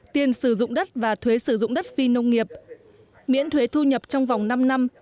tiền sử dụng đất và thuế sử dụng đất phi nông nghiệp miễn thuế thu nhập trong vòng năm năm